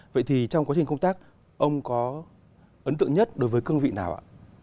vậy thì trong quá trình công tác ông có ấn tượng nhất đối với cương vị nào ạ